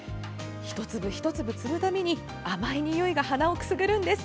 １粒１粒つむたびに甘いにおいが鼻をくすぐるんです。